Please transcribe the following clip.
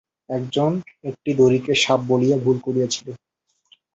একজন একটি দড়িকে সাপ বলিয়া ভুল করিয়াছিল।